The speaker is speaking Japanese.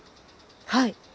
はい！